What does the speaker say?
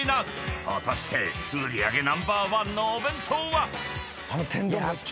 ［果たして売り上げナンバーワンのお弁当は⁉］